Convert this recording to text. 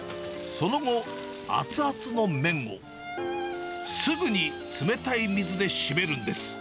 その後、熱々の麺を、すぐに冷たい水で締めるんです。